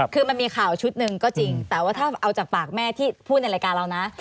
คือมันมีข่าวชุดหนึ่งก็จริงแต่ว่าถ้าเอาจากปากแม่ที่พูดในรายการเรานะ